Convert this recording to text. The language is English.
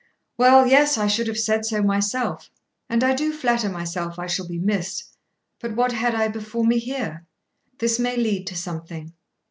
"Well, yes; I should have said so myself. And I do flatter myself I shall be missed. But what had I before me here? This may lead to something."